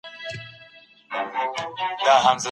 موږ باید په نړۍ کي د مهربانۍ اصول پلي کړو.